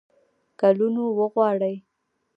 کلونو وغواړي.